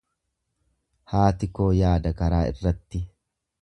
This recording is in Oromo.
Haati koo yaada karaa irratti.